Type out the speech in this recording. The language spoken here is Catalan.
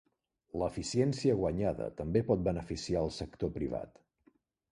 L'eficiència guanyada també pot beneficiar el sector privat.